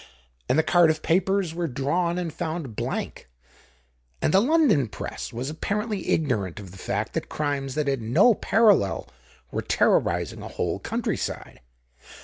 And the Cardiff papers were drawn and found blank; and the London Press was apparently ignorant of the fact that crimes that had no parallel were terrorizing a whole countryside.